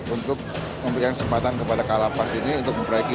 untuk memberikan kesempatan kepada kala lapas ini untuk memperbaiki